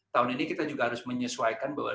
tahun ini kita juga harus menyesuaikan bahwa